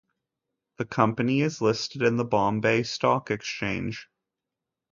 The company is listed in the Bombay Stock Exchange.